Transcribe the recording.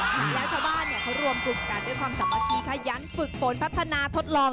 แล้วชาวบ้านเนี่ยเขารวมกลุ่มกันด้วยความสามัคคีขยันฝึกฝนพัฒนาทดลอง